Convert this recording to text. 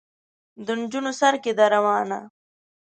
د نجونو سر کې ده روانه.